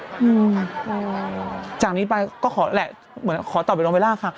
อืมจากนี้ไปก็ขอแหละเหมือนขอตอบไปลงเวลาค่ะ